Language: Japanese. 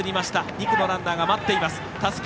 ２区のランナーが待っています。